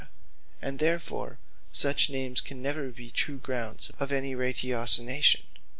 And therefore such names can never be true grounds of any ratiocination.